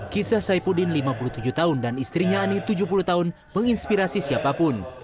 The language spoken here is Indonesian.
kisah saipudin lima puluh tujuh tahun dan istrinya ani tujuh puluh tahun menginspirasi siapapun